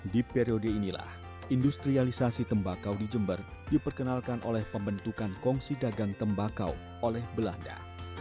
di periode inilah industrialisasi tembakau di jember diperkenalkan oleh pembentukan kongsi dagang tembakau oleh belanda